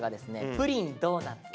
プリンドーナツ。